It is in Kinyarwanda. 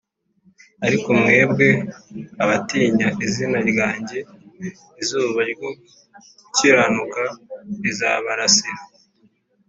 Ariko mwebwe abatinya izina ryanjye izuba ryo gukiranuka rizabarasira